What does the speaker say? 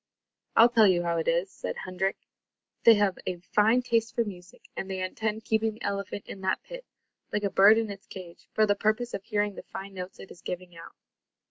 "I'll tell you how it is," said Hendrik. "They have a fine taste for music, and they intend keeping the elephant in that pit, like a bird in its cage, for the purpose of hearing the fine notes it is giving out."